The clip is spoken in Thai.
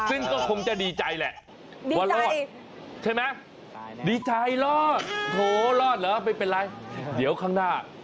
ซึ่งก็คงจะดีใจแหละว่ารอดใช่ไหมดีใจรอดโถรอดเหรอไม่เป็นไรเดี๋ยวข้างหน้า